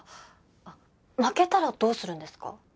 あっ負けたらどうするんですか？